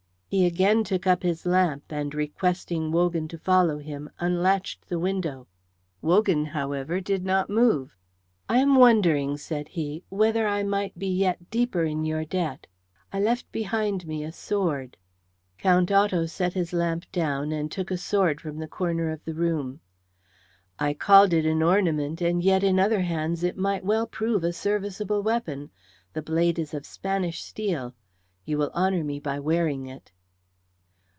He again took up his lamp, and requesting Wogan to follow him, unlatched the window. Wogan, however, did not move. "I am wondering," said he, "whether I might be yet deeper in your debt. I left behind me a sword." Count Otto set his lamp down and took a sword from the corner of the room. "I called it an ornament, and yet in other hands it might well prove a serviceable weapon. The blade is of Spanish steel. You will honour me by wearing it."